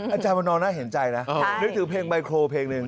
อาจารย์วันนอนน่าเห็นใจนะนึกถึงเพลงไมโครเพลงหนึ่ง